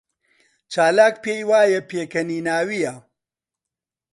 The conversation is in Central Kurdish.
چالاک پێی وایە پێکەنیناوییە.